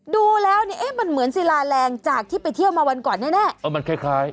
ดูแล้วเนี่ยเอ๊ะมันเหมือนศิลาแรงจากที่ไปเที่ยวมาวันก่อนแน่เออมันคล้าย